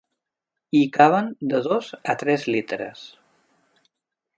Hi caben de dos a tres litres.